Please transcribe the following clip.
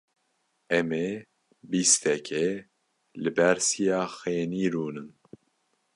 Em ê bîstekê li ber siya xênî rûnin.